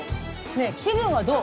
ねえ気分はどう？